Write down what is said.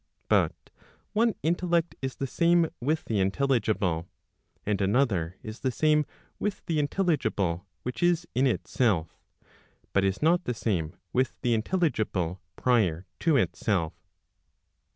But one intellect is the same with the intelligible; and another is the same with the intelligible which is in itself, but is not the same with the intelligible prior to itself.